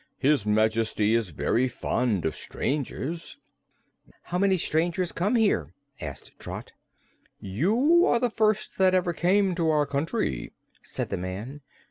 "His Majesty is very fond of strangers." "Do many strangers come here?" asked Trot. "You are the first that ever came to our country," said the man.